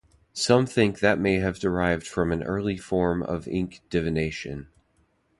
Some think that may have derived from an early form of ink divination.